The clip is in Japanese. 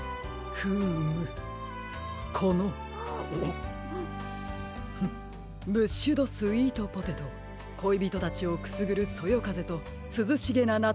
フームこのフッブッシュドスイートポテトこいびとたちをくすぐるそよかぜとすずしげなな